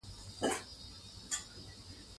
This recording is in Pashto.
وروسته مې ډوډۍ سمه پخه کړه او خوند یې ښه و.